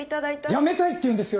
辞めたいっていうんですよ